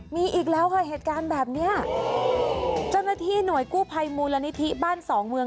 มีอีกแล้วค่ะเหตุการณ์แบบเนี้ยเจ้าหน้าที่หน่วยกู้ภัยมูลนิธิบ้านสองเมือง